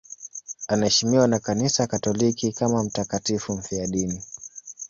Anaheshimiwa na Kanisa Katoliki kama mtakatifu mfiadini.